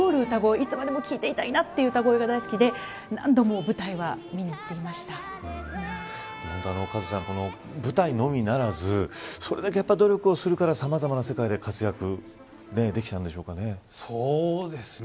いつまでも聞いていたいなという歌声が大好きで何度も舞台はカズさん、舞台のみならずそれだけ努力をするからさまざまな世界でそうですね。